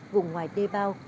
vùng ngoài đê bao